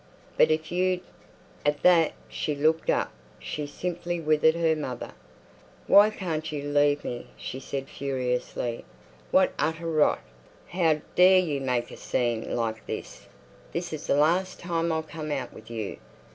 But if you'd—" At that "she" looked up; she simply withered her mother. "Why can't you leave me?" she said furiously. "What utter rot! How dare you make a scene like this? This is the last time I'll come out with you.